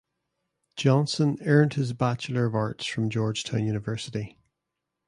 Johnson earned his Bachelor of Arts from Georgetown University.